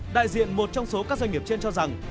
đại diện một trong số các doanh nghiệp trên cho rằng